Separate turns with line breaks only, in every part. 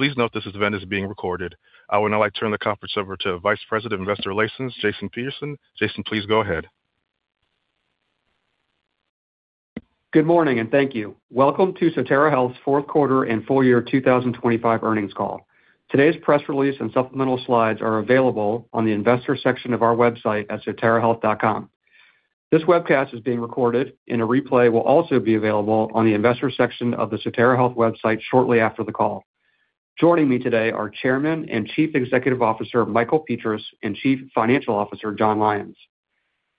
Please note this event is being recorded. I would now like to turn the conference over to Vice President of Investor Relations, Jason Peterson. Jason, please go ahead.
Good morning. Thank you. Welcome to Sotera Health's fourth quarter and full year 2025 earnings call. Today's press release and supplemental slides are available on the investor section of our website at soterahealth.com. This webcast is being recorded, and a replay will also be available on the investor section of the Sotera Health website shortly after the call. Joining me today are Chairman and Chief Executive Officer, Michael Petras, and Chief Financial Officer, Jon Lyons.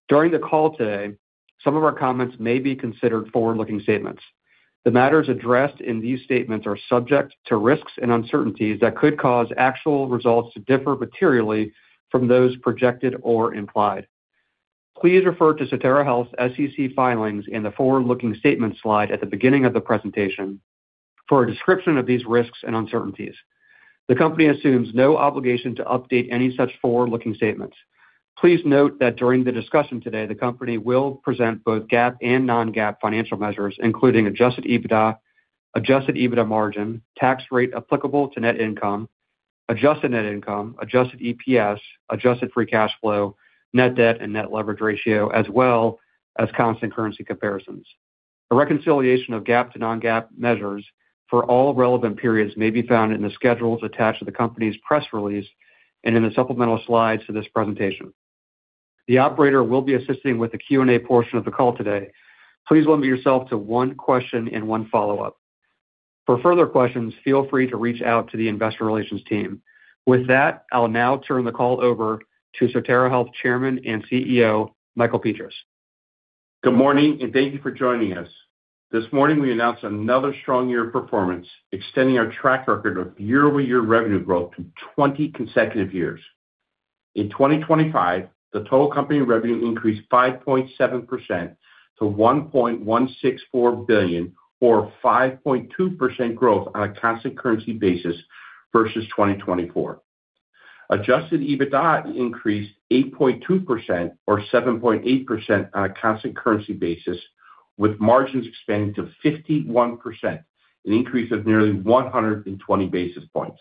During the call today, some of our comments may be considered forward-looking statements. The matters addressed in these statements are subject to risks and uncertainties that could cause actual results to differ materially from those projected or implied. Please refer to Sotera Health's SEC filings in the forward-looking statement slide at the beginning of the presentation for a description of these risks and uncertainties. The company assumes no obligation to update any such forward-looking statements. Please note that during the discussion today, the company will present both GAAP and non-GAAP financial measures, including adjusted EBITDA, adjusted EBITDA margin, tax rate applicable to net income, adjusted net income, adjusted EPS, adjusted free cash flow, net debt and net leverage ratio, as well as constant currency comparisons. A reconciliation of GAAP to non-GAAP measures for all relevant periods may be found in the schedules attached to the company's press release and in the supplemental slides to this presentation. The operator will be assisting with the Q&A portion of the call today. Please limit yourself to one question and one follow-up. For further questions, feel free to reach out to the investor relations team. With that, I'll now turn the call over to Sotera Health Chairman and CEO, Michael Petras.
Good morning. Thank you for joining us. This morning, we announced another strong year of performance, extending our track record of year-over-year revenue growth to 20 consecutive years. In 2025, the total company revenue increased 5.7% to $1.164 billion, or 5.2% growth on a constant currency basis versus 2024. Adjusted EBITDA increased 8.2% or 7.8% on a constant currency basis, with margins expanding to 51%, an increase of nearly 120 basis points.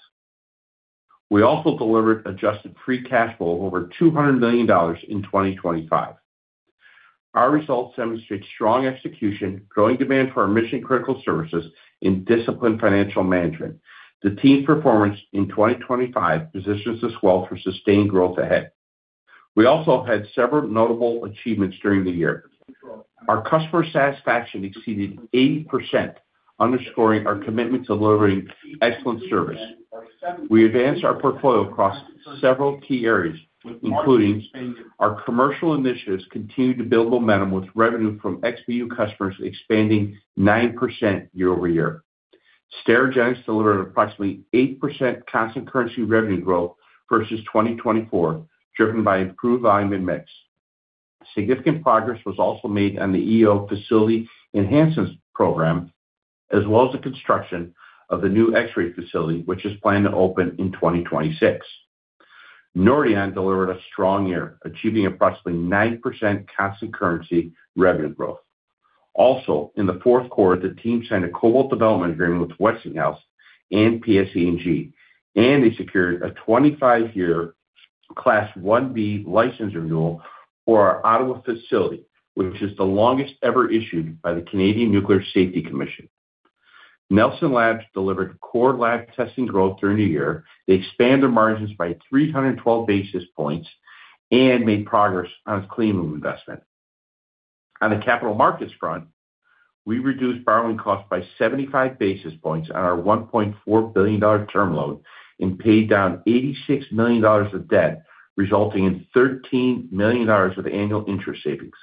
We also delivered adjusted free cash flow of over $200 million in 2025. Our results demonstrate strong execution, growing demand for our mission-critical services, and disciplined financial management. The team's performance in 2025 positions us well for sustained growth ahead. We also had several notable achievements during the year. Our customer satisfaction exceeded 80%, underscoring our commitment to delivering excellent service. We advanced our portfolio across several key areas, including our commercial initiatives, continued to build momentum with revenue from XBU customers expanding 9% year-over-year. Sterigenics delivered approximately 8% constant currency revenue growth versus 2024, driven by improved volume and mix. Significant progress was also made on the EO facility enhancements program, as well as the construction of the new X-ray facility, which is planned to open in 2026. Nordion delivered a strong year, achieving approximately 9% constant currency revenue growth. In the fourth quarter, the team signed a cobalt development agreement with Westinghouse and PSEG. They secured a 25-year Class 1B license renewal for our Ottawa facility, which is the longest ever issued by the Canadian Nuclear Safety Commission. Nelson Labs delivered core lab testing growth during the year. They expanded their margins by 312 basis points and made progress on its clean room investment. On the capital markets front, we reduced borrowing costs by 75 basis points on our $1.4 billion term loan and paid down $86 million of debt, resulting in $13 million of annual interest savings.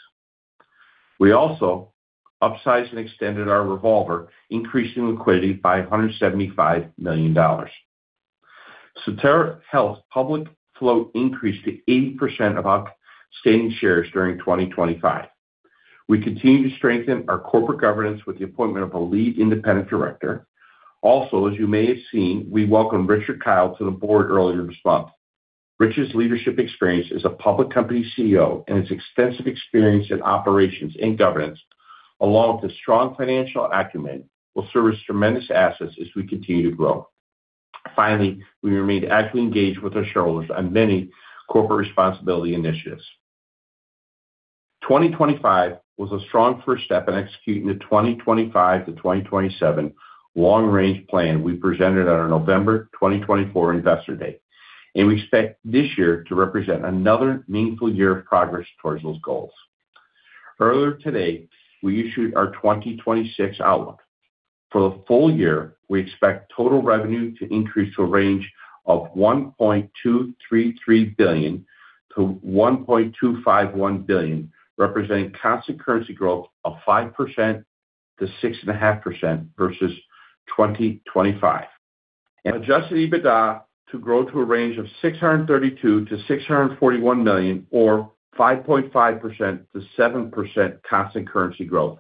We also upsized and extended our revolver, increasing liquidity by $175 million. Sotera Health public float increased to 80% of our outstanding shares during 2025. We continue to strengthen our corporate governance with the appointment of a lead independent director. As you may have seen, we welcomed Richard Kyle to the board earlier this month. Richard's leadership experience as a public company CEO and his extensive experience in operations and governance, along with his strong financial acumen, will serve as tremendous assets as we continue to grow. We remain actively engaged with our shareholders on many corporate responsibility initiatives. 2025 was a strong first step in executing the 2025-2027 long-range plan we presented on our November 2024 Investor Day, we expect this year to represent another meaningful year of progress towards those goals. Earlier today, we issued our 2026 outlook. For the full year, we expect total revenue to increase to a range of $1.233 billion-$1.251 billion, representing constant currency growth of 5%-6.5% versus 2025, and adjusted EBITDA to grow to a range of $632 million-$641 million, or 5.5%-7% constant currency growth.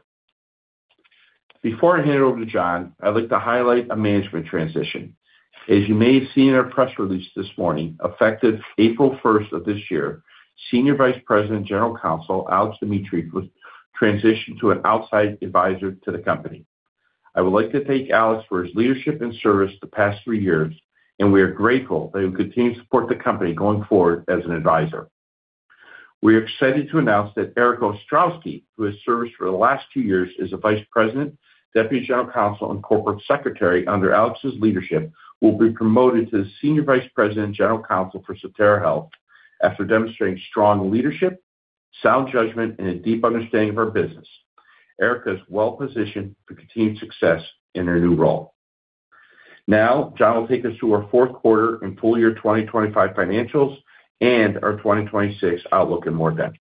Before I hand it over to Jon, I'd like to highlight a management transition. As you may have seen in our press release this morning, effective April 1st of this year, Senior Vice President and General Counsel, Alex Dimitrief transition to an outside advisor to the company. I would like to thank Alex for his leadership and service the past 3 years. We are grateful that he will continue to support the company going forward as an advisor. We are excited to announce that Erika Ostrowski, who has served for the last 2 years as a Vice President, Deputy General Counsel, and Corporate Secretary under Alex's leadership, will be promoted to Senior Vice President and General Counsel for Sotera Health. After demonstrating strong leadership, sound judgment, and a deep understanding of our business, Erika is well positioned for continued success in her new role. Jon will take us through our 4th quarter and full year 2025 financials and our 2026 outlook in more depth.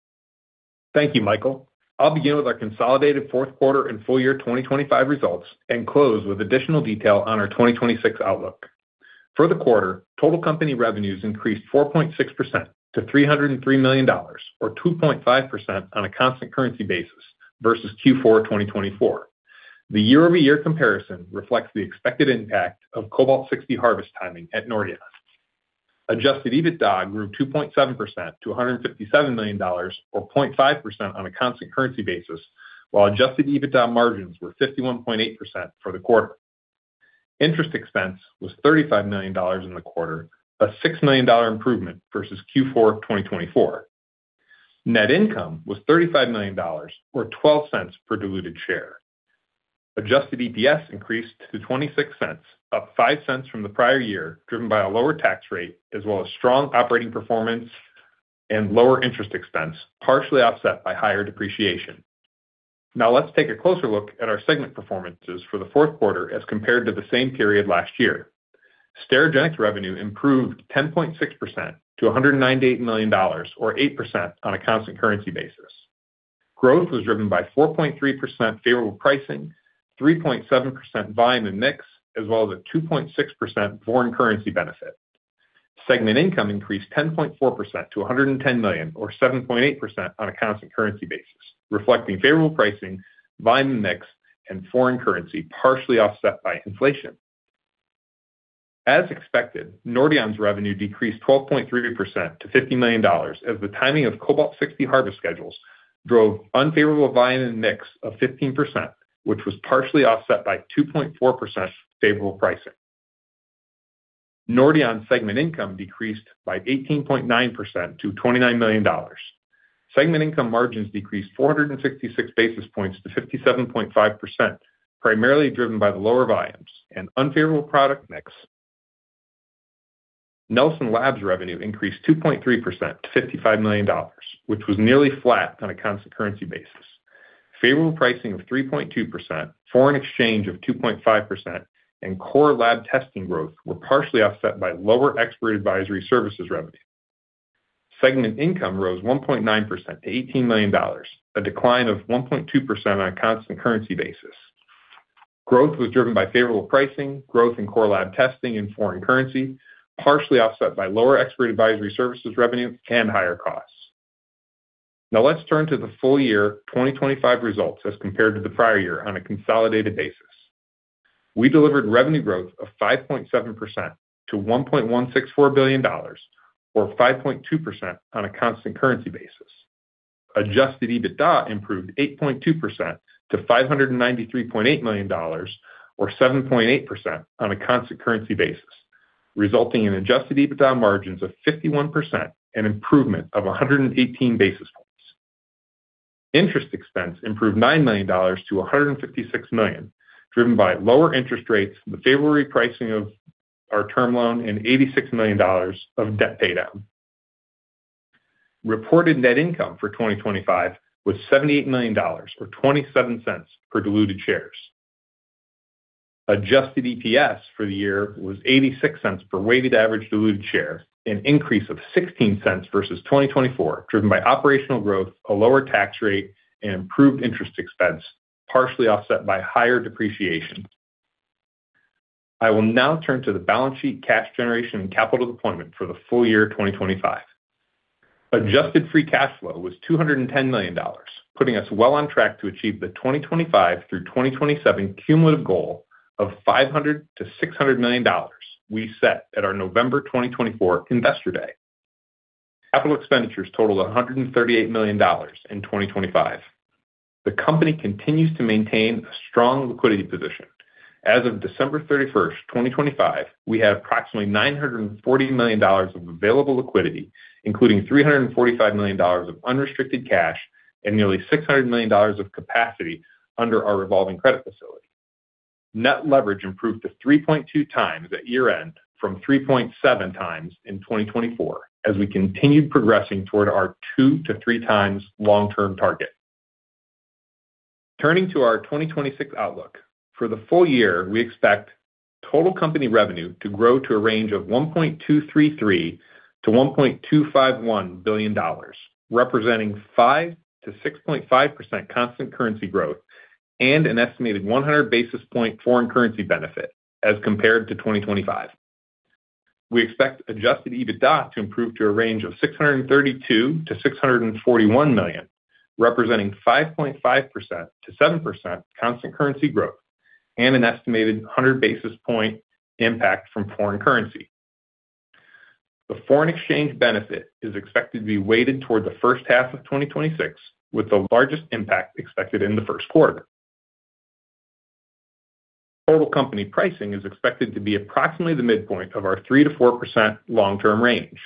Thank you, Michael. I'll begin with our consolidated fourth quarter and full year 2025 results and close with additional detail on our 2026 outlook. For the quarter, total company revenues increased 4.6% to $303 million, or 2.5% on a constant currency basis versus Q4 2024. The year-over-year comparison reflects the expected impact of Cobalt-60 harvest timing at Nordion. Adjusted EBITDA grew 2.7% to $157 million, or 0.5% on a constant currency basis, while adjusted EBITDA margins were 51.8% for the quarter. Interest expense was $35 million in the quarter, a $6 million improvement versus Q4 2024. Net income was $35 million, or $0.12 per diluted share. Adjusted EPS increased to $0.26, up $0.05 from the prior year, driven by a lower tax rate, as well as strong operating performance and lower interest expense, partially offset by higher depreciation. Now, let's take a closer look at our segment performances for the fourth quarter as compared to the same period last year. Sterigenics revenue improved 10.6% to $198 million, or 8% on a constant currency basis. Growth was driven by 4.3% favorable pricing, 3.7% volume and mix, as well as a 2.6% foreign currency benefit. Segment income increased 10.4% to $110 million, or 7.8% on a constant currency basis, reflecting favorable pricing, volume, mix, and foreign currency, partially offset by inflation. As expected, Nordion's revenue decreased 12.3% to $50 million, as the timing of Cobalt-60 harvest schedules drove unfavorable volume and mix of 15%, which was partially offset by 2.4% favorable pricing. Nordion segment income decreased by 18.9% to $29 million. Segment income margins decreased 466 basis points to 57.5%, primarily driven by the lower volumes and unfavorable product mix. Nelson Labs revenue increased 2.3% to $55 million, which was nearly flat on a constant currency basis. Favorable pricing of 3.2%, foreign exchange of 2.5%, and core lab testing growth were partially offset by lower expert advisory services revenue. Segment income rose 1.9% to $18 million, a decline of 1.2% on a constant currency basis. Growth was driven by favorable pricing, growth in core lab testing and foreign currency, partially offset by lower expert advisory services revenue and higher costs. Let's turn to the full year 2025 results as compared to the prior year on a consolidated basis. We delivered revenue growth of 5.7% to $1.164 billion, or 5.2% on a constant currency basis. adjusted EBITDA improved 8.2% to $593.8 million, or 7.8% on a constant currency basis, resulting in adjusted EBITDA margins of 51%, an improvement of 118 basis points. Interest expense improved $9 million to $156 million, driven by lower interest rates, the favorable repricing of our term loan, and $86 million of debt paydown. Reported net income for 2025 was $78 million, or $0.27 per diluted shares. Adjusted EPS for the year was $0.86 per weighted average diluted share, an increase of $0.16 versus 2024, driven by operational growth, a lower tax rate, and improved interest expense, partially offset by higher depreciation. I will now turn to the balance sheet, cash generation, and capital deployment for the full year 2025. Adjusted free cash flow was $210 million, putting us well on track to achieve the 2025-2027 cumulative goal of $500 million-$600 million we set at our November 2024 Investor Day. Capital expenditures totaled $138 million in 2025. The company continues to maintain a strong liquidity position. As of December 31st, 2025, we have approximately $940 million of available liquidity, including $345 million of unrestricted cash and nearly $600 million of capacity under our revolving credit facility. Net leverage improved to 3.2x at year-end from 3.7x in 2024 as we continued progressing toward our 2-3x long-term target. Turning to our 2026 outlook. For the full year, we expect total company revenue to grow to a range of $1.233 billion-$1.251 billion, representing 5%-6.5% constant currency growth and an estimated 100 basis point foreign currency benefit as compared to 2025. We expect adjusted EBITDA to improve to a range of $632 million-$641 million, representing 5.5%-7% constant currency growth and an estimated 100 basis point impact from foreign currency. The foreign exchange benefit is expected to be weighted toward the first half of 2026, with the largest impact expected in the first quarter. Total company pricing is expected to be approximately the midpoint of our 3%-4% long-term range.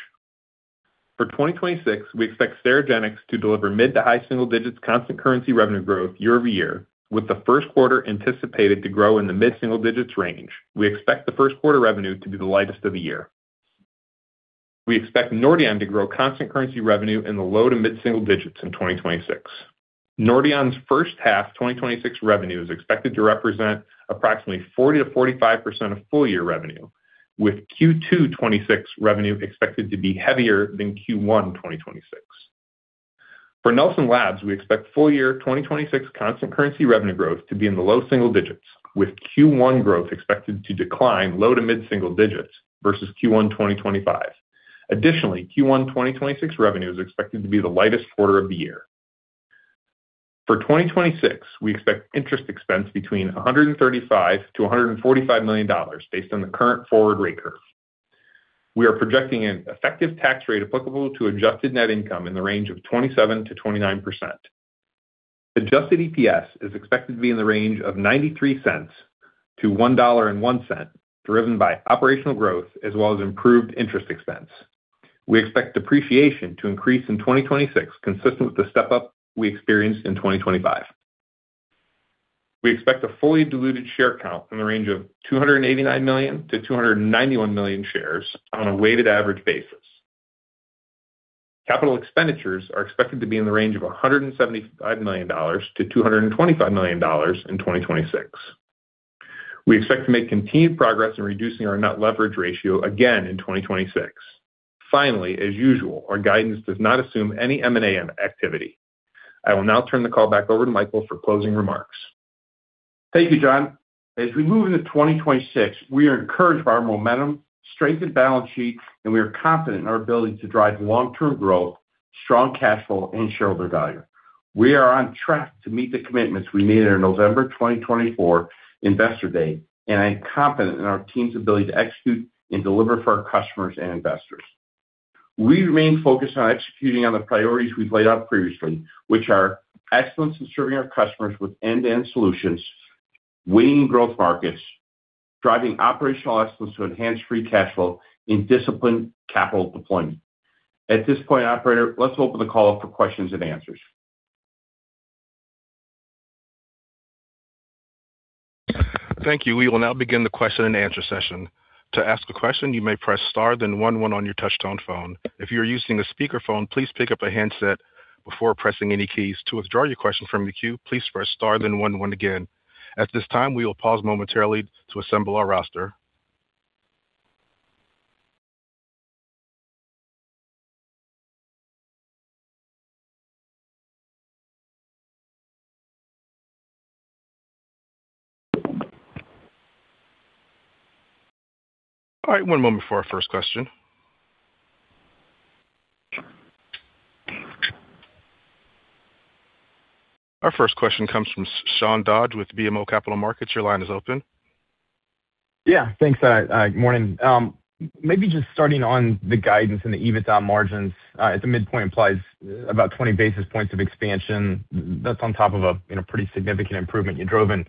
For 2026, we expect Sterigenics to deliver mid to high single digits constant currency revenue growth year-over-year, with the first quarter anticipated to grow in the mid single digits range. We expect the first quarter revenue to be the lightest of the year. We expect Nordion to grow constant currency revenue in the low to mid single digits in 2026. Nordion's first half 2026 revenue is expected to represent approximately 40%-45% of full year revenue, with Q2 2026 revenue expected to be heavier than Q1 2026. For Nelson Labs, we expect full year 2026 constant currency revenue growth to be in the low single digits, with Q1 growth expected to decline low to mid single digits versus Q1 2025. Additionally, Q1 2026 revenue is expected to be the lightest quarter of the year. For 2026, we expect interest expense between $135 million-$145 million based on the current forward rate curve. We are projecting an effective tax rate applicable to adjusted net income in the range of 27%-29%. Adjusted EPS is expected to be in the range of $0.93-$1.01, driven by operational growth as well as improved interest expense. We expect depreciation to increase in 2026, consistent with the step up we experienced in 2025. We expect a fully diluted share count in the range of 289 million-291 million shares on a weighted average basis. Capital expenditures are expected to be in the range of $175 million-$225 million in 2026. We expect to make continued progress in reducing our net leverage ratio again in 2026. Finally, as usual, our guidance does not assume any M&A activity. I will now turn the call back over to Michael for closing remarks.
Thank you, Jon. As we move into 2026, we are encouraged by our momentum, strengthened balance sheet, we are confident in our ability to drive long-term growth, strong cash flow, and shareholder value. We are on track to meet the commitments we made in our November 2024 Investor Day, I am confident in our team's ability to execute and deliver for our customers and investors. We remain focused on executing on the priorities we've laid out previously, which are excellence in serving our customers with end-to-end solutions, winning growth markets, driving operational excellence to enhance free cash flow, disciplined capital deployment. At this point, operator, let's open the call up for questions and answers.
Thank you. We will now begin the question and answer session. To ask a question, you may press star, then one one on your touchtone phone. If you're using a speakerphone, please pick up a handset before pressing any keys. To withdraw your question from the queue, please press star than one one again. At this time, we will pause momentarily to assemble our roster. All right, one moment before our first question. Our first question comes from Sean Dodge with BMO Capital Markets. Your line is open.
Yeah, thanks. Good morning. Maybe just starting on the guidance and the EBITDA margins, at the midpoint implies about 20 basis points of expansion. That's on top of a, you know, pretty significant improvement you drove in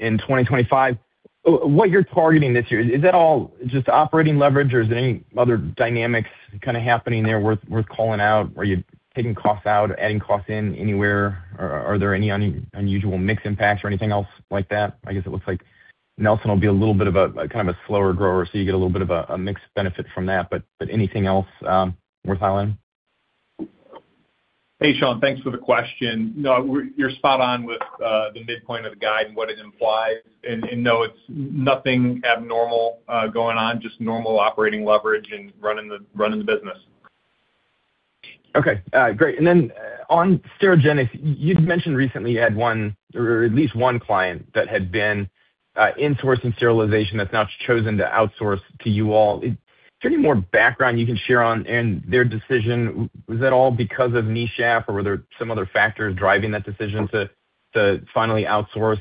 2025. What you're targeting this year, is that all just operating leverage, or is there any other dynamics kind of happening there worth calling out? Are you taking costs out, adding costs in anywhere? Are there any unusual mix impacts or anything else like that? I guess it looks like Nelson will be a little bit of a, kind of a slower grower, so you get a little bit of a mixed benefit from that. Anything else worth highlighting?
Hey, Sean, thanks for the question. No, you're spot on with the midpoint of the guide and what it implies. No, it's nothing abnormal going on, just normal operating leverage and running the business.
Okay, great. Then on Sterigenics, you've mentioned recently you had one or at least one client that had been insourcing sterilization that's now chosen to outsource to you all. Is there any more background you can share on and their decision? Was that all because of NESHAP, or were there some other factors driving that decision to finally outsource?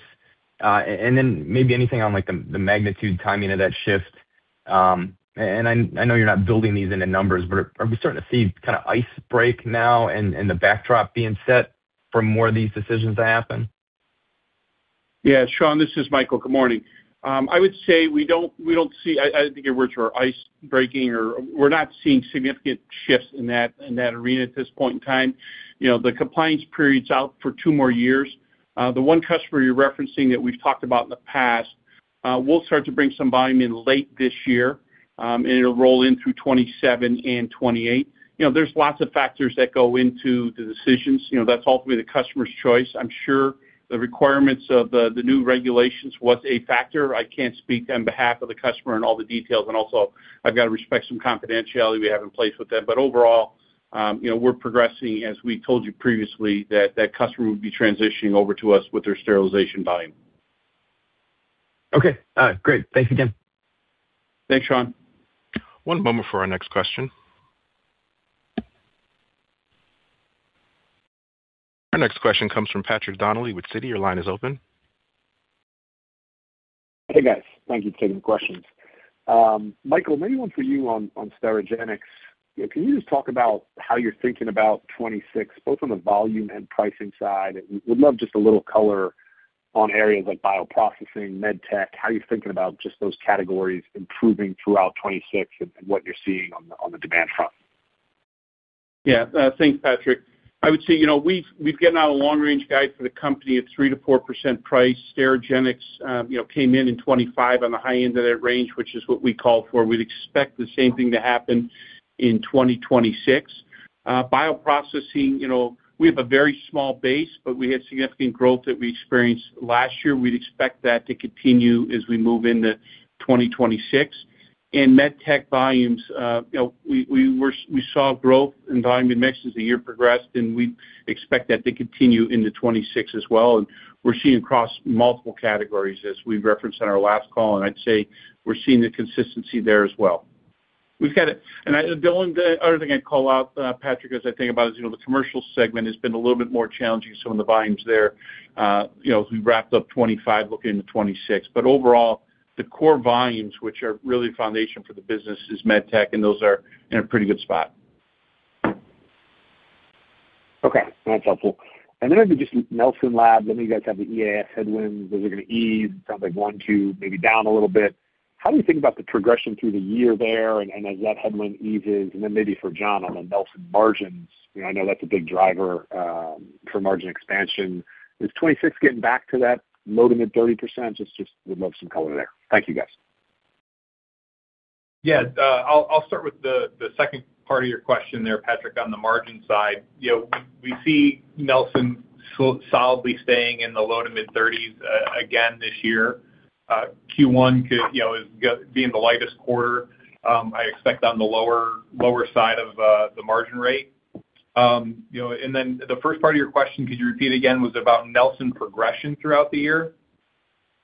Then maybe anything on, like, the magnitude timing of that shift. I know you're not building these into numbers, but are we starting to see kind of ice break now and the backdrop being set for more of these decisions to happen?
Yeah, Sean, this is Michael. Good morning. I would say we don't, we don't see... I think your words are ice breaking, or we're not seeing significant shifts in that, in that arena at this point in time. You know, the compliance period's out for two more years. The one customer you're referencing that we've talked about in the past, we'll start to bring some volume in late this year, and it'll roll in through 2027 and 2028. You know, there's lots of factors that go into the decisions, you know, that's ultimately the customer's choice. I'm sure the requirements of the new regulations was a factor. I can't speak on behalf of the customer and all the details, also I've got to respect some confidentiality we have in place with them. Overall, you know, we're progressing, as we told you previously, that that customer would be transitioning over to us with their sterilization volume.
Okay, great. Thanks again.
Thanks, Sean.
One moment for our next question. Our next question comes from Patrick Donnelly with Citi. Your line is open.
Hey, guys. Thank you for taking the questions. Michael, maybe one for you on Sterigenics. Can you just talk about how you're thinking about 2026, both on the volume and pricing side? We'd love just a little color on areas like bioprocessing, med tech. How are you thinking about just those categories improving throughout 2026 and what you're seeing on the demand front?
Thanks, Patrick. I would say, you know, we've given out a long-range guide for the company at 3%-4% price. Sterigenics, you know, came in in 2025 on the high end of that range, which is what we called for. We'd expect the same thing to happen in 2026. Bioprocessing, you know, we have a very small base, but we had significant growth that we experienced last year. We'd expect that to continue as we move into 2026. In med tech volumes, you know, we saw growth in volume and mix as the year progressed, and we expect that to continue into 2026 as well. We're seeing across multiple categories, as we referenced on our last call, and I'd say we're seeing the consistency there as well. The only other thing I'd call out, Patrick, as I think about is, you know, the commercial segment has been a little bit more challenging, some of the volumes there, you know, as we wrapped up 2025, looking into 2026. Overall, the core volumes, which are really the foundation for the business, is med tech, and those are in a pretty good spot.
Okay, that's helpful. I think just Nelson Labs, I know you guys have the EAS headwinds. Those are going to ease. Sounds like Q1, Q2, maybe down a little bit. How do you think about the progression through the year there, and as that headwind eases, maybe for Jon on the Nelson Labs margins, I know that's a big driver for margin expansion. Is 2026 getting back to that low to mid 30%? It's just, would love some color there. Thank you, guys.
I'll start with the second part of your question there, Patrick, on the margin side. You know, we see Nelson solidly staying in the low to mid-30s again this year. Q1 could, you know, is being the lightest quarter. I expect on the lower side of the margin rate. You know, the first part of your question, could you repeat again, was about Nelson progression throughout the year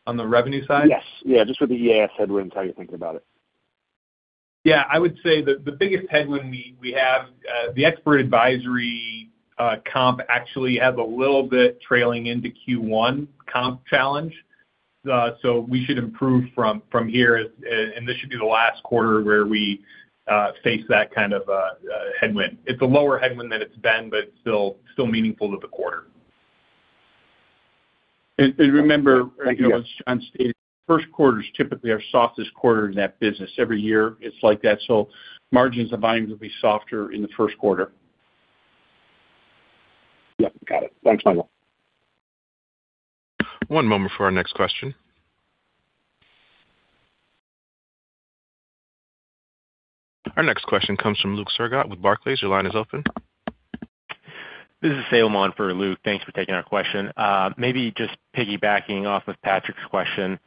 on the revenue side?
Yes. Yeah, just with the EAS headwinds, how you're thinking about it?
Yeah, I would say that the biggest headwind we have, the expert advisory comp actually has a little bit trailing into Q1 comp challenge. We should improve from here, and this should be the last quarter where we face that kind of headwind. It's a lower headwind than it's been, but still meaningful to the quarter.
Remember, you know, as Jon stated, first quarters typically are softest quarter in that business. Every year it's like that. Margins and volumes will be softer in the first quarter.
Yep, got it. Thanks, Michael.
One moment for our next question. Our next question comes from Luke Sergott with Barclays. Your line is open.
This is Sam for Luke Sergott. Thanks for taking our question. Maybe just piggybacking off of Patrick Donnelly's question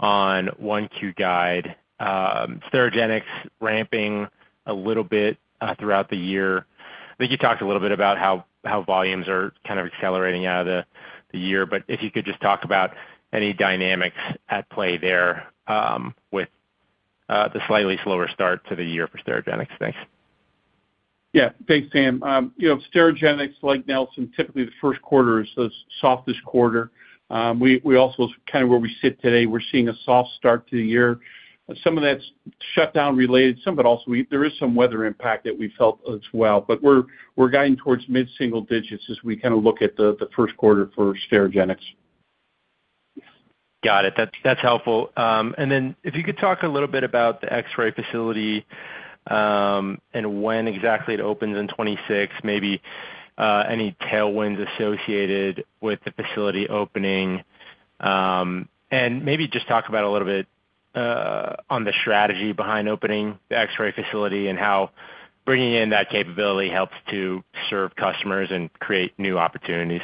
on 1Q guide, Sterigenics ramping a little bit throughout the year. I think you talked a little bit about how volumes are kind of accelerating out of the year, but if you could just talk about any dynamics at play there, with the slightly slower start to the year for Sterigenics. Thanks.
Yeah. Thanks, Sam. You know, Sterigenics, like Nelson, typically the first quarter is the softest quarter. We also, kind of where we sit today, we're seeing a soft start to the year. Some of that's shutdown related, some of it also, there is some weather impact that we felt as well. We're guiding towards mid-single digits as we kind of look at the first quarter for Sterigenics.
Got it. That's helpful. Then if you could talk a little bit about the X-ray facility, when exactly it opens in 2026, maybe, any tailwinds associated with the facility opening. Maybe just talk about a little bit on the strategy behind opening the X-ray facility and how bringing in that capability helps to serve customers and create new opportunities.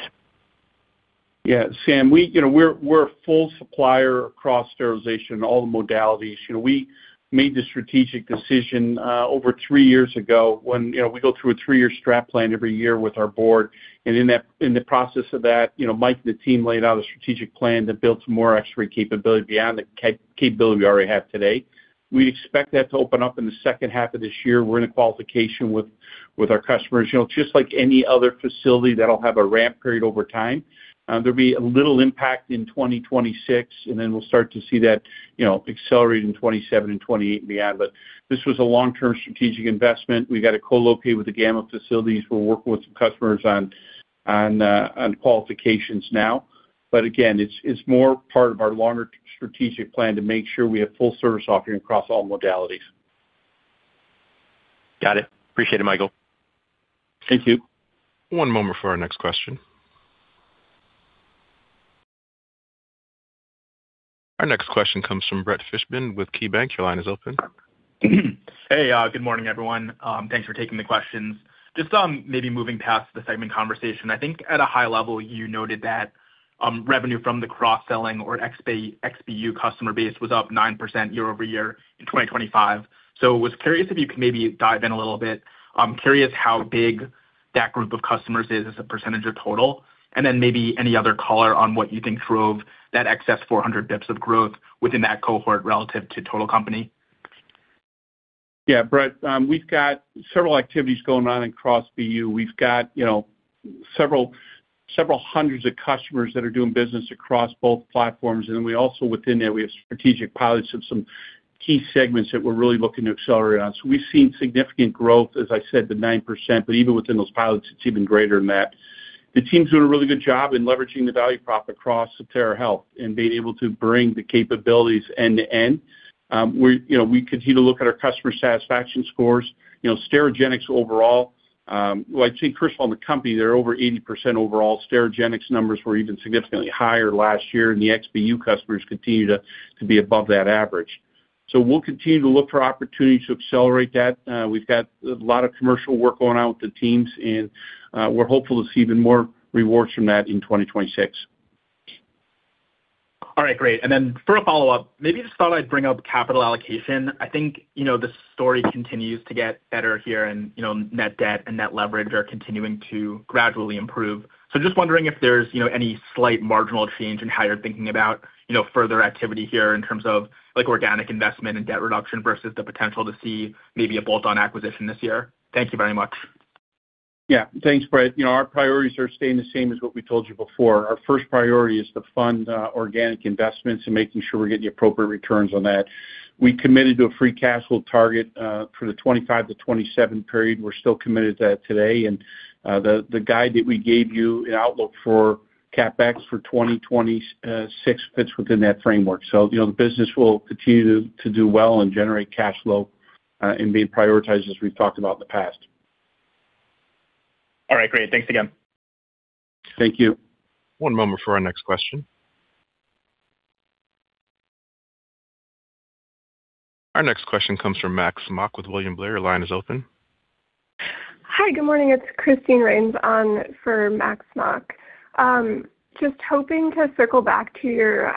Yeah, Sam, we, you know, we're a full supplier across sterilization, all the modalities. You know, we made the strategic decision over three years ago when, you know, we go through a three-year strap plan every year with our board, and in the process of that, you know, Mike and the team laid out a strategic plan to build some more X-ray capability beyond the capability we already have today. We expect that to open up in the second half of this year. We're in a qualification with our customers. You know, just like any other facility, that'll have a ramp period over time. There'll be a little impact in 2026, and then we'll start to see that, you know, accelerating in 2027 and 2028 and beyond. This was a long-term strategic investment. We got to co-locate with the gamma facilities. We're working with some customers on qualifications now. Again, it's more part of our longer strategic plan to make sure we have full service offering across all modalities.
Got it. Appreciate it, Michael.
Thank you.
One moment for our next question. Our next question comes from Brett Fishman with KeyBanc. Your line is open.
Hey, good morning, everyone. Thanks for taking the questions. Just, maybe moving past the segment conversation. I think at a high level, you noted that revenue from the cross-selling or XBU customer base was up 9% year-over-year in 2025. I was curious if you could maybe dive in a little bit. I'm curious how big that group of customers is as a percentage of total, and then maybe any other color on what you think drove that excess 400 basis points of growth within that cohort relative to total company?...
Yeah, Brett, we've got several activities going on across BU. We've got, you know, several hundreds of customers that are doing business across both platforms, and then we also, within that, we have strategic pilots of some key segments that we're really looking to accelerate on. We've seen significant growth, as I said, the 9%, but even within those pilots, it's even greater than that. The team's doing a really good job in leveraging the value prop across Sotera Health and being able to bring the capabilities end-to-end. We, you know, we continue to look at our customer satisfaction scores. You know, Sterigenics overall, well, I'd say first of all, in the company, they're over 80% overall. Sterigenics numbers were even significantly higher last year. The XBU customers continue to be above that average. We'll continue to look for opportunities to accelerate that. We've got a lot of commercial work going on with the teams, and we're hopeful to see even more rewards from that in 2026.
All right, great. Then for a follow-up, maybe just thought I'd bring up capital allocation. I think, you know, the story continues to get better here, and, you know, net debt and net leverage are continuing to gradually improve. Just wondering if there's, you know, any slight marginal change in how you're thinking about, you know, further activity here in terms of, like, organic investment and debt reduction versus the potential to see maybe a bolt-on acquisition this year. Thank you very much.
Yeah. Thanks, Brett. You know, our priorities are staying the same as what we told you before. Our first priority is to fund organic investments and making sure we're getting the appropriate returns on that. We committed to a free cash flow target for the 2025-2027 period. We're still committed to that today. The guide that we gave you in outlook for CapEx for 2026 fits within that framework. You know, the business will continue to do well and generate cash flow and being prioritized as we've talked about in the past.
All right, great. Thanks again.
Thank you.
One moment for our next question. Our next question comes from Max Smock with William Blair. Your line is open.
Hi, good morning. It's Christine Rains on for Max Smock. Just hoping to circle back to your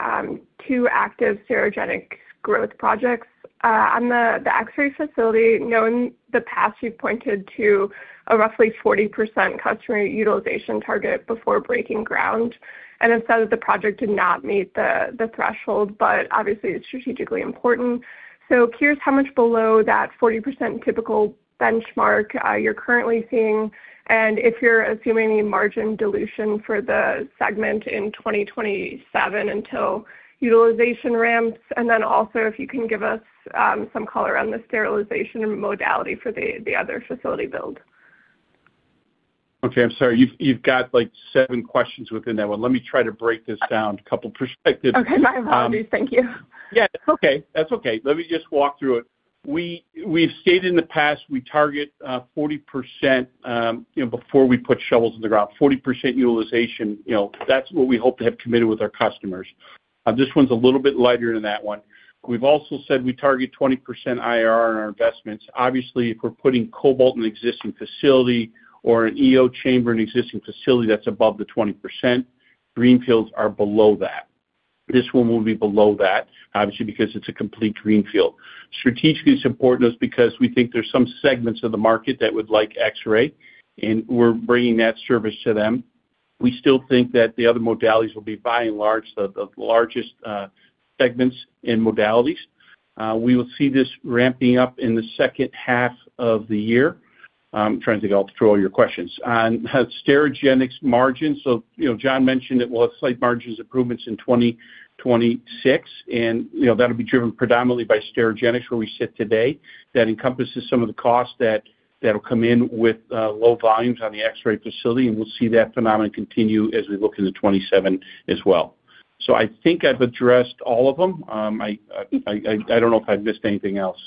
two active Sterigenics growth projects. On the X-ray facility, knowing the past, you've pointed to a roughly 40% customer utilization target before breaking ground, and instead of the project did not meet the threshold, but obviously it's strategically important. Curious how much below that 40% typical benchmark you're currently seeing, and if you're assuming any margin dilution for the segment in 2027 until utilization ramps, and then also if you can give us some color on the sterilization modality for the other facility build.
Okay, I'm sorry. You've got, like, seven questions within that one. Let me try to break this down. A couple perspectives.
Okay, my apologies. Thank you.
Okay. That's okay. Let me just walk through it. We've stated in the past, we target, you know, before we put shovels in the ground, 40% utilization. You know, that's what we hope to have committed with our customers. This one's a little bit lighter than that one. We've also said we target 20% IRR on our investments. Obviously, if we're putting cobalt in an existing facility or an EO chamber in an existing facility, that's above the 20%. Greenfields are below that. This one will be below that, obviously, because it's a complete greenfield. Strategically, it's important to us because we think there's some segments of the market that would like X-ray, we're bringing that service to them. We still think that the other modalities will be, by and large, the largest segments in modalities. We will see this ramping up in the second half of the year. I'm trying to think I'll throw all your questions. On Sterigenics margins, so, you know, Jon mentioned that we'll have slight margins improvements in 2026, and, you know, that'll be driven predominantly by Sterigenics, where we sit today. That encompasses some of the costs that'll come in with low volumes on the X-ray facility, and we'll see that phenomenon continue as we look into 2027 as well. I think I've addressed all of them. I don't know if I've missed anything else.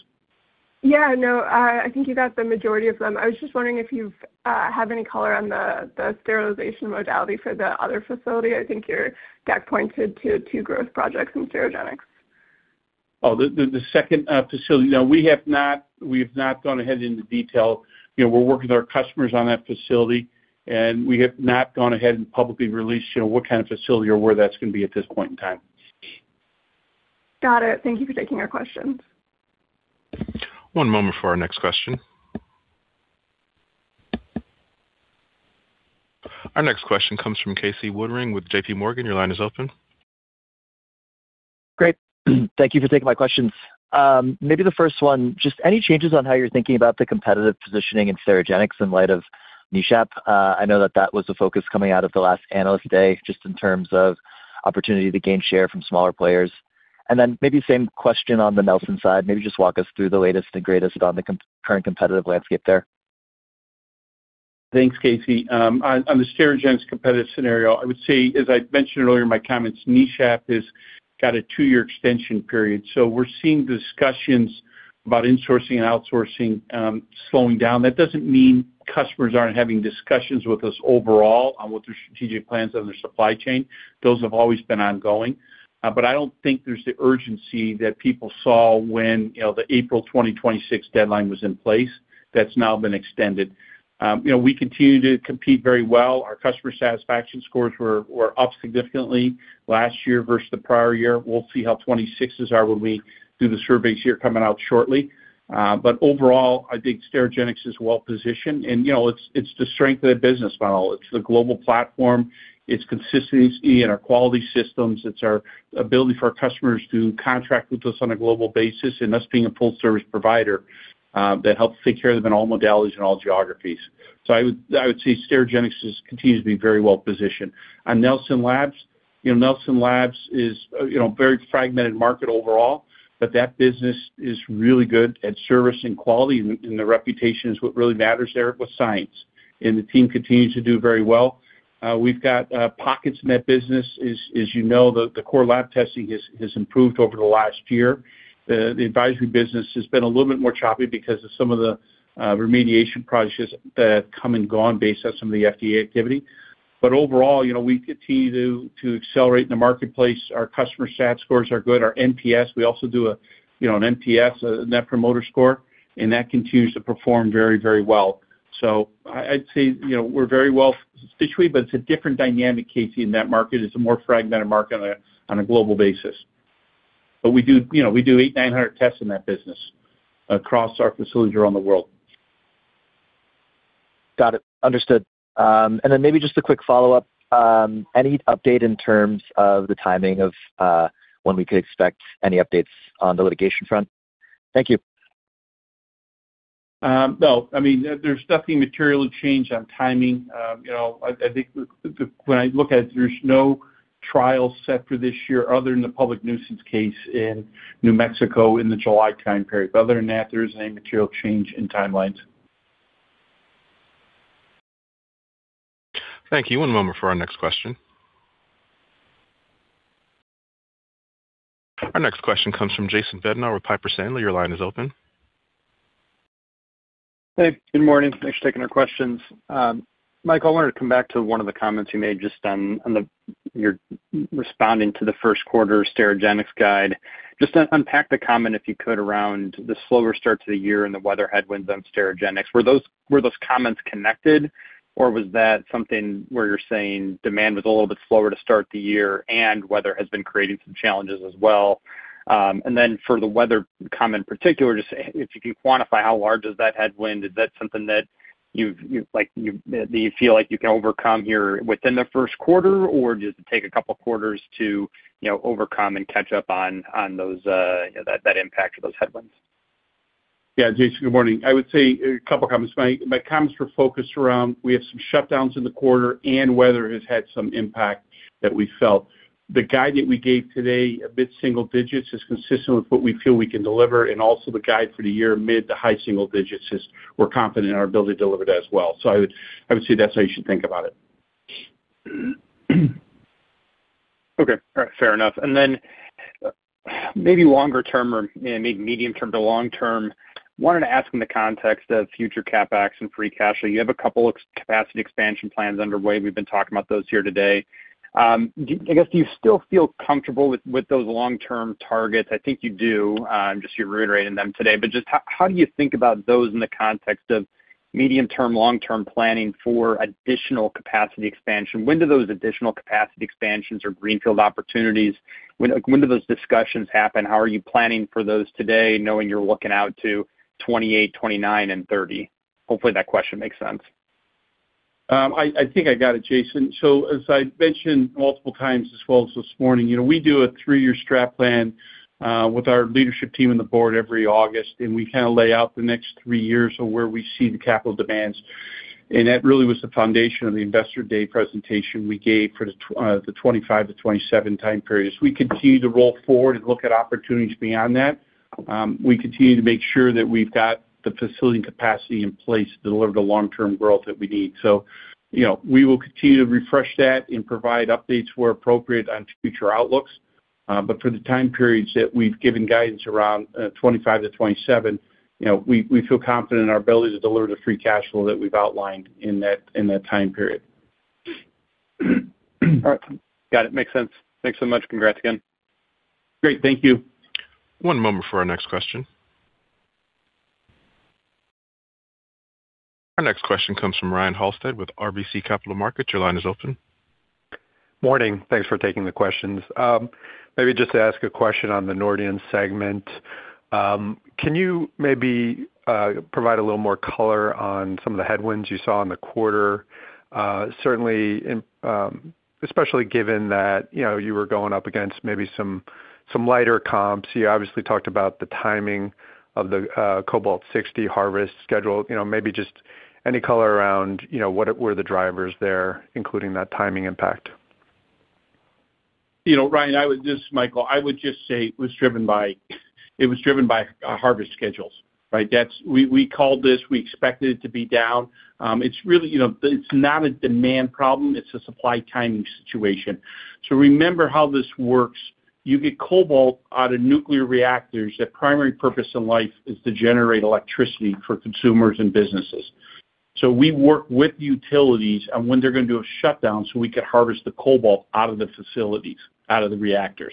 Yeah, no, I think you got the majority of them. I was just wondering if you have any color on the sterilization modality for the other facility. I think your deck pointed to two growth projects in Sterigenics.
Oh, the second facility. No, we have not gone ahead into detail. You know, we're working with our customers on that facility, and we have not gone ahead and publicly released, you know, what kind of facility or where that's going to be at this point in time.
Got it. Thank you for taking our questions.
One moment for our next question. Our next question comes from Casey Woodring with JPMorgan. Your line is open.
Great. Thank you for taking my questions. Maybe the first one, just any changes on how you're thinking about the competitive positioning in Sterigenics in light of NESHAP? I know that that was a focus coming out of the last Analyst Day, just in terms of opportunity to gain share from smaller players. Maybe same question on the Nelson side. Maybe just walk us through the latest and greatest on the current competitive landscape there.
Thanks, Casey. On the Sterigenics competitive scenario, I would say, as I mentioned earlier in my comments, NESHAP has got a two-year extension period, so we're seeing discussions about insourcing and outsourcing, slowing down. That doesn't mean customers aren't having discussions with us overall on what their strategic plans on their supply chain. Those have always been ongoing, but I don't think there's the urgency that people saw when, you know, the April 2026 deadline was in place. That's now been extended. You know, we continue to compete very well. Our customer satisfaction scores were up significantly last year versus the prior year. We'll see how 2026s are when we do the surveys here coming out shortly. But overall, I think Sterigenics is well positioned, and, you know, it's the strength of the business model. It's the global platform, it's consistency in our quality systems, it's our ability for our customers to contract with us on a global basis and us being a full service provider, that helps take care of them in all modalities and all geographies. I would say Sterigenics continues to be very well positioned. You know, Nelson Labs is, you know, a very fragmented market overall, but that business is really good at service and quality, and the reputation is what really matters there with science, and the team continues to do very well. We've got pockets in that business, as you know, the core lab testing has improved over the last year. The advisory business has been a little bit more choppy because of some of the remediation projects that have come and gone based on some of the FDA activity. Overall, you know, we continue to accelerate in the marketplace. Our customer stat scores are good. Our NPS, we also do a, you know, an NPS, a Net Promoter Score, that continues to perform very, very well. I'd say, you know, we're very well situated, but it's a different dynamic, Casey, in that market. It's a more fragmented market on a global basis. We do, you know, we do 800-900 tests in that business across our facilities around the world.
Got it. Understood. Maybe just a quick follow-up. Any update in terms of the timing of, when we could expect any updates on the litigation front? Thank you.
No. I mean, there's nothing materially changed on timing. you know, I think when I look at it, there's no trial set for this year other than the public nuisance case in New Mexico in the July time period. Other than that, there isn't any material change in timelines.
Thank you. One moment for our next question. Our next question comes from Jason Bednar with Piper Sandler. Your line is open.
Hey, good morning. Thanks for taking our questions. Mike, I wanted to come back to one of the comments you made just on, you're responding to the first quarter Sterigenics guide. Just unpack the comment, if you could, around the slower start to the year and the weather headwinds on Sterigenics. Were those comments connected, or was that something where you're saying demand was a little bit slower to start the year, and weather has been creating some challenges as well? for the weather comment particular, just if you could quantify how large is that headwind, is that something that you've, like, you feel like you can overcome here within the first quarter, or does it take a couple of quarters to, you know, overcome and catch up on those, you know, that impact or those headwinds?
Yeah, Jason, good morning. I would say a couple of comments. My comments were focused around we have some shutdowns in the quarter, and weather has had some impact that we felt. The guide that we gave today, mid-single digits, is consistent with what we feel we can deliver, and also the guide for the year, mid to high single digits, is we're confident in our ability to deliver that as well. I would say that's how you should think about it.
Okay. All right, fair enough. Maybe longer term or maybe medium term to long term, wanted to ask in the context of future CapEx and free cash flow. You have a couple of capacity expansion plans underway. We've been talking about those here today. I guess, do you still feel comfortable with those long-term targets? I think you do. Just you're reiterating them today, how do you think about those in the context of medium term, long-term planning for additional capacity expansion? When do those additional capacity expansions or greenfield opportunities, when do those discussions happen? How are you planning for those today, knowing you're looking out to 2028, 2029 and 2030? Hopefully, that question makes sense.
I think I got it, Jason. As I mentioned multiple times as well as this morning, you know, we do a three-year strat plan with our leadership team and the Board every August, and we kind of lay out the next 3 years of where we see the capital demands. That really was the foundation of the Investor Day presentation we gave for the 2025-2027 time period. As we continue to roll forward and look at opportunities beyond that, we continue to make sure that we've got the facility and capacity in place to deliver the long-term growth that we need. You know, we will continue to refresh that and provide updates where appropriate on future outlooks. For the time periods that we've given guidance around, 2025-2027, you know, we feel confident in our ability to deliver the free cash flow that we've outlined in that time period.
All right. Got it. Makes sense. Thanks so much. Congrats again.
Great. Thank you.
One moment for our next question. Our next question comes from Ryan Halstead with RBC Capital Markets. Your line is open.
Morning. Thanks for taking the questions. Maybe just to ask a question on the Nordion segment. Can you maybe provide a little more color on some of the headwinds you saw in the quarter? Certainly in, especially given that, you know, you were going up against maybe some lighter comps. You obviously talked about the timing of the Cobalt-60 harvest schedule. You know, maybe just any color around, you know, what were the drivers there, including that timing impact?
You know, Ryan, this is Michael. I would just say it was driven by harvest schedules, right? We called this, we expected it to be down. It's really, you know, it's not a demand problem, it's a supply timing situation. Remember how this works: You get cobalt out of nuclear reactors. Their primary purpose in life is to generate electricity for consumers and businesses. We work with utilities on when they're going to do a shutdown, so we could harvest the cobalt out of the facilities, out of the reactors.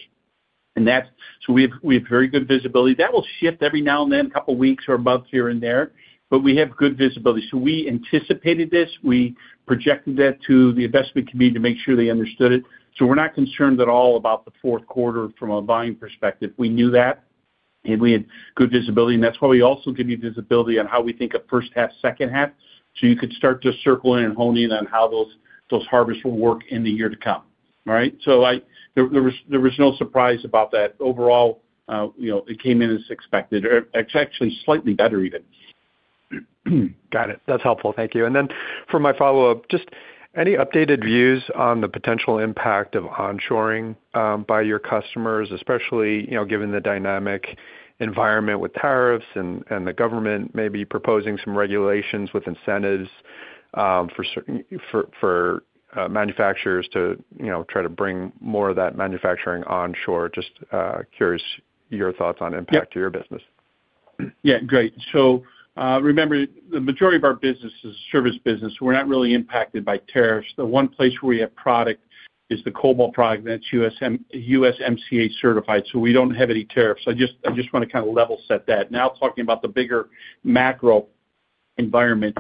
We have very good visibility. That will shift every now and then, a couple of weeks or months here and there, but we have good visibility. We anticipated this. We projected that to the investment committee to make sure they understood it. We're not concerned at all about the fourth quarter from a volume perspective. We knew that. We had good visibility, and that's why we also give you visibility on how we think of first half, second half. You could start to circle in and hone in on how those harvests will work in the year to come. All right? There was no surprise about that. Overall, you know, it came in as expected, or it's actually slightly better even.
Got it. That's helpful. Thank you. Then for my follow-up, just any updated views on the potential impact of onshoring by your customers, especially, you know, given the dynamic environment with tariffs and the government maybe proposing some regulations with incentives for manufacturers to, you know, try to bring more of that manufacturing onshore? Just curious your thoughts on impact to your business.
Yeah, great. Remember, the majority of our business is service business. We're not really impacted by tariffs. The one place where we have product is the Cobalt product, that's USMCA certified. We don't have any tariffs. I just want to kind of level set that. Now, talking about the bigger macro environment,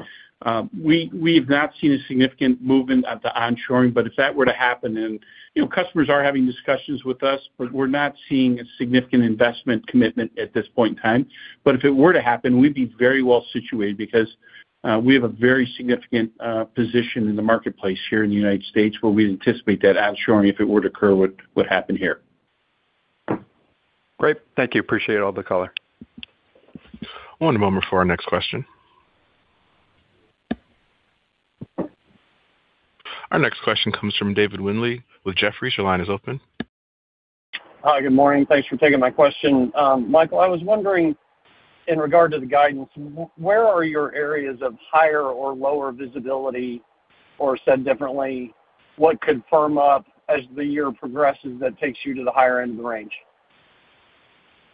we've not seen a significant movement at the onshoring, if that were to happen, and, you know, customers are having discussions with us, but we're not seeing a significant investment commitment at this point in time. If it were to happen, we'd be very well situated because we have a very significant position in the marketplace here in the United States, where we anticipate that onshoring, if it were to occur, would happen here.
Great. Thank you. Appreciate all the color.
One moment before our next question. Our next question comes from David Windley with Jefferies. Your line is open.
Hi. Good morning. Thanks for taking my question. Michael, I was wondering, in regard to the guidance, where are your areas of higher or lower visibility? Said differently, what could firm up as the year progresses that takes you to the higher end of the range?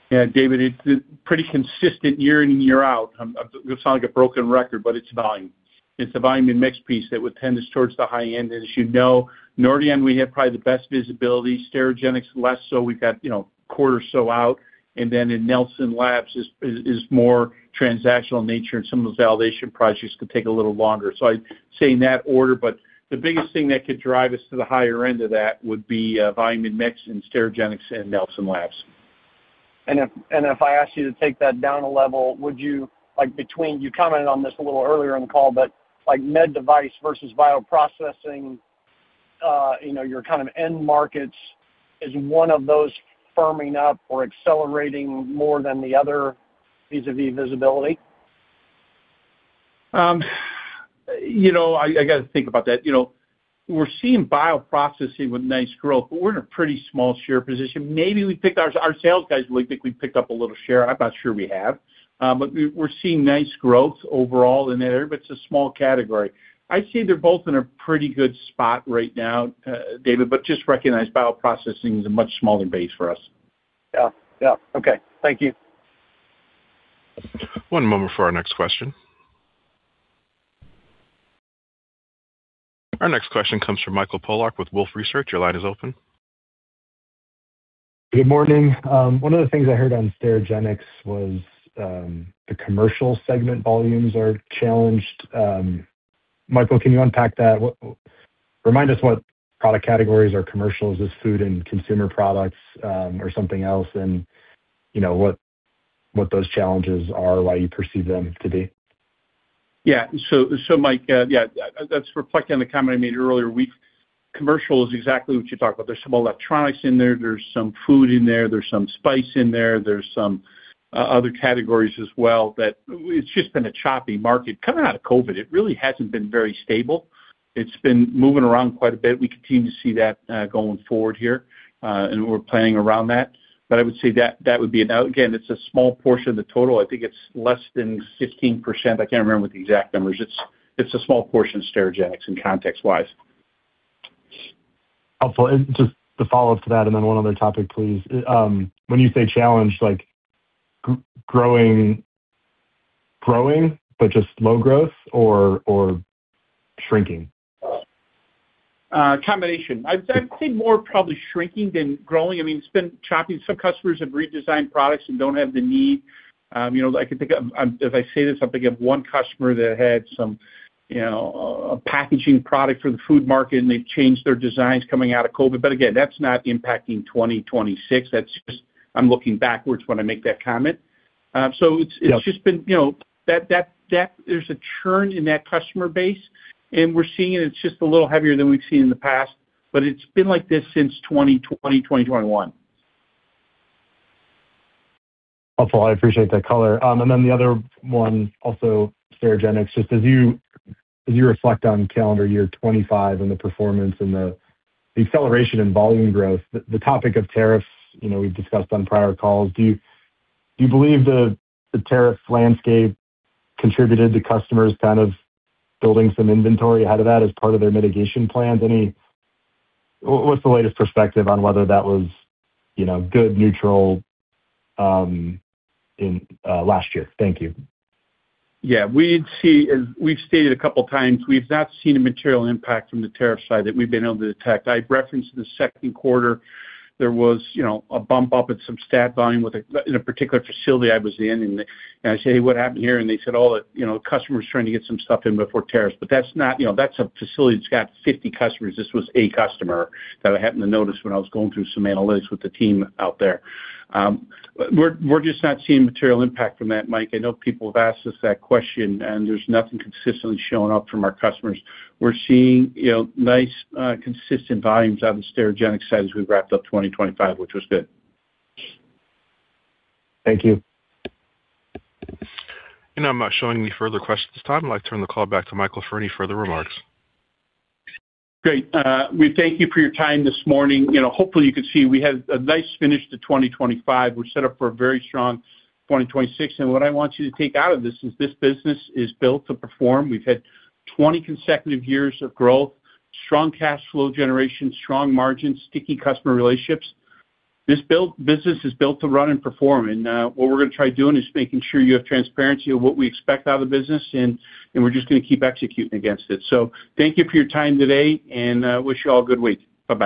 Yeah, David, it's pretty consistent year in, year out. I sound like a broken record, but it's volume. It's the volume and mix piece that would tend us towards the high end. As you know, Nordion, we have probably the best visibility, Sterigenics less so. We've got, you know, a quarter so out, and then in Nelson Labs is more transactional in nature, and some of those validation projects could take a little longer. I'd say in that order, but the biggest thing that could drive us to the higher end of that would be volume and mix in Sterigenics and Nelson Labs.
If I asked you to take that down a level, would you, like, you commented on this a little earlier in the call, but, like, med device versus bioprocessing, you know, your kind of end markets, is one of those firming up or accelerating more than the other vis-a-vis visibility?
You know, I got to think about that. You know, we're seeing bioprocessing with nice growth, but we're in a pretty small share position. Maybe Our sales guys really think we've picked up a little share. I'm not sure we have. We're seeing nice growth overall in that area, but it's a small category. I'd say they're both in a pretty good spot right now, David, but just recognize bioprocessing is a much smaller base for us.
Yeah, yeah. Okay. Thank you.
One moment for our next question. Our next question comes from Michael Polark with Wolfe Research. Your line is open.
Good morning. One of the things I heard on Sterigenics was, the commercial segment volumes are challenged. Michael, can you unpack that? What, remind us what product categories are commercials, is food and consumer products, or something else, and, you know, what those challenges are, why you perceive them to be?
Mike, that's reflecting on the comment I made earlier. Commercial is exactly what you talked about. There's some electronics in there's some food in there's some spice in there's some other categories as well, it's just been a choppy market. Coming out of COVID, it really hasn't been very stable. It's been moving around quite a bit. We continue to see that going forward here, we're planning around that. I would say that would be it. Now, again, it's a small portion of the total. I think it's less than 16%. I can't remember what the exact numbers. It's a small portion of Sterigenics in context-wise.
Helpful. Just to follow up to that, and then one other topic, please. When you say challenged, like, growing, but just low growth or shrinking?
Combination. I'd say more probably shrinking than growing. I mean, it's been choppy. Some customers have redesigned products and don't have the need. you know, I can think of, as I say this, I'm thinking of one customer that had some, you know, a packaging product for the food market, and they've changed their designs coming out of COVID. Again, that's not impacting 2026. That's just, I'm looking backwards when I make that comment. so it's.
Yeah.
it's just been, you know, that, there's a churn in that customer base. We're seeing it. It's just a little heavier than we've seen in the past. It's been like this since 2020, 2021.
Helpful. I appreciate that color. And then the other one, also Sterigenics. Just as you reflect on calendar year 2025 and the performance and the acceleration in volume growth, the topic of tariffs, you know, we've discussed on prior calls, do you believe the tariff landscape contributed to customers kind of building some inventory ahead of that as part of their mitigation plans? Any. What's the latest perspective on whether that was, you know, good, neutral, in last year? Thank you.
Yeah, we'd see, as we've stated a couple of times, we've not seen a material impact from the tariff side that we've been able to detect. I referenced the second quarter, there was, you know, a bump up in some stat volume with a, in a particular facility I was in, and I said, "Hey, what happened here?" They said, "Oh, you know, the customer's trying to get some stuff in before tariffs." That's not, you know, that's a facility that's got 50 customers. This was a customer that I happened to notice when I was going through some analytics with the team out there. We're just not seeing material impact from that, Mike. I know people have asked us that question, there's nothing consistently showing up from our customers. We're seeing, you know, nice, consistent volumes out of the Sterigenics side as we wrapped up 2025, which was good.
Thank you.
I'm not showing any further questions at this time. I'd like to turn the call back to Michael for any further remarks.
Great. We thank you for your time this morning. You know, hopefully, you can see we had a nice finish to 2025. We're set up for a very strong 2026, and what I want you to take out of this is this business is built to perform. We've had 20 consecutive years of growth, strong cash flow generation, strong margins, sticky customer relationships. This business is built to run and perform, and what we're gonna try doing is making sure you have transparency of what we expect out of the business, and we're just gonna keep executing against it. Thank you for your time today, and wish you all a good week. Bye-bye.